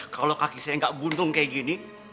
kalau kaki saya nggak buntung kayak gini